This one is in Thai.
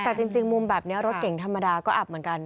แต่จริงมุมแบบนี้รถเก่งธรรมดาก็อับเหมือนกัน